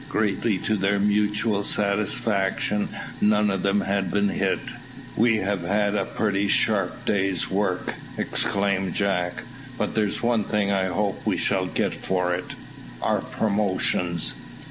Greatly to their mutual satisfaction none of them had been hit. "We have had a pretty sharp day's work," exclaimed Jack; "but there's one thing I hope we shall get for it our promotions."